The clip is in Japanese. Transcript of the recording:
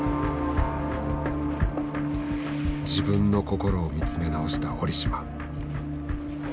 自分の心を見つめ直した堀島。